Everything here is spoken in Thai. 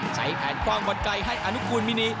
ใช้แผนความบ่นไกลให้อนุคูลมินิ